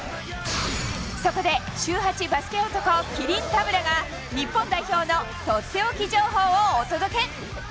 そこで、週８バスケ男、麒麟・田村が、日本代表のとっておき情報をお届け。